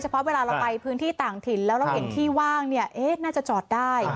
เพราะเวลาเราไปพื้นที่ต่างถิ่นแล้วเราเห็นที่ว่างน่าจะจอดได้